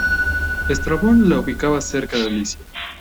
Estrabón la ubicaba cerca de Alicia.